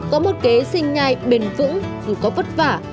có một kế sinh nhai bền vững dù có vất vả